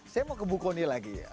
saya mau ke buku ini lagi